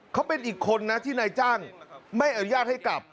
เขาเป็นอีกคนนะที่นายจ้างไม่อนุญาตให้กลับ